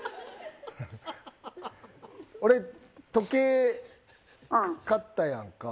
俺、時計買ったやんか。